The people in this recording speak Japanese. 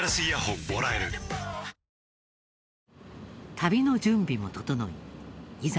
旅の準備も整いいざ